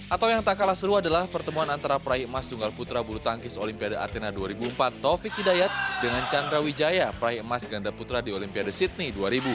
atau yang tak kalah seru adalah pertemuan antara prai emas tunggal putra bulu tangkis olimpiade athena dua ribu empat taufik hidayat dengan chandra wijaya peraih emas ganda putra di olimpiade sydney dua ribu empat belas